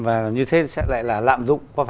và như thế sẽ lại là lạm dụng